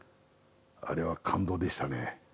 あれは感動でしたね。